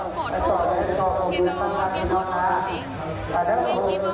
ไม่คิดว่ามันจะเป็นแบบนี้แล้วก็ในเมื่อกี้แบบว่าแค่เมื่อกี้